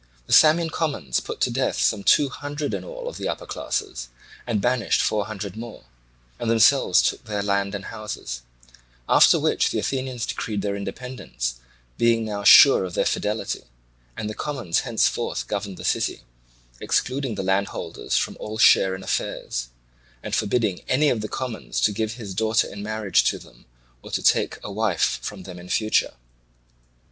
The Samian commons put to death some two hundred in all of the upper classes, and banished four hundred more, and themselves took their land and houses; after which the Athenians decreed their independence, being now sure of their fidelity, and the commons henceforth governed the city, excluding the landholders from all share in affairs, and forbidding any of the commons to give his daughter in marriage to them or to take a wife from them in future.